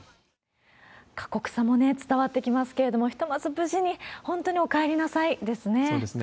過酷さも伝わってきますけれども、ひとまず、無事に、本当におかえりなさいですね。